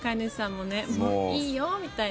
もういいよみたいな。